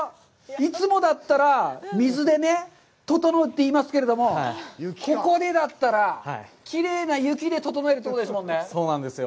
いつもだったら、水でね、ととのうって言いますけれども、ここでだったら、きれいな雪でととのえるということなんですよね。